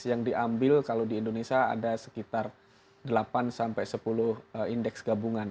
yang diambil kalau di indonesia ada sekitar delapan sampai sepuluh indeks gabungan